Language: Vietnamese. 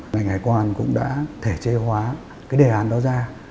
ngành hải quan cũng đã thể chế hóa cái đề án đó ra